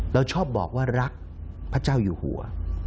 เราชอบบอกว่ารักพระเจ้าอยู่หัว